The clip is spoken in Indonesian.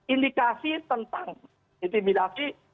indikasi tentang intimidasi